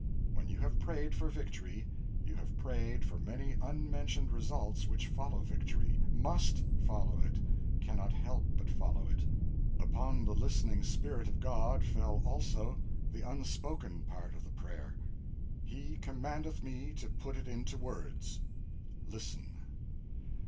When you have prayed for victory you have prayed for many unmentioned results which follow victory – must follow it, cannot help but follow it. Upon the listening spirit of God fell also the unspoken part of the prayer. He commandeth me to put it into words. Listen!